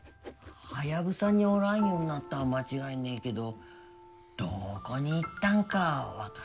ハヤブサにおらんようになったんは間違いねえけどどこに行ったんかはわからんなあ。